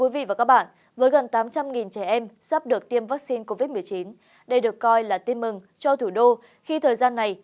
với gần tám trăm linh trẻ em sắp được tiêm vaccine covid một mươi chín đây được coi là tiêm mừng cho thủ đô khi thời gian này